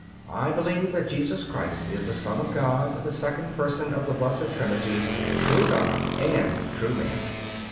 I believe that Jesus Christ is the Son of God, the second Person of the Blessed Trinity, true God and true man.